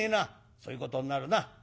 「そういうことになるな」。